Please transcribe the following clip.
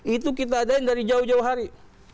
itu kita ada yang dari jauh jauh hari